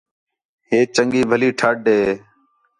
ہیچ چنڳی بَھلی ٹھݙ ہے